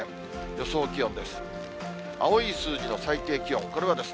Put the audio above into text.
予想気温です。